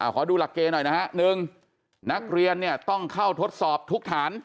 ขอดูหลักเกณฑ์หน่อยนะฮะ๑นักเรียนเนี่ยต้องเข้าทดสอบทุกฐาน